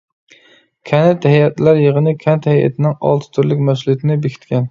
كەنت ھەيئەتلەر يىغىنى كەنت ھەيئىتىنىڭ ئالتە تۈرلۈك مەسئۇلىيىتىنى بېكىتكەن.